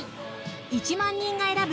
「１万人が選ぶ！